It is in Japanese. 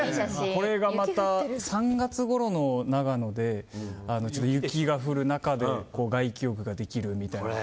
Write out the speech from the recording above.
これがまた、３月ごろの長野で雪が降る中で外気浴ができるみたいな。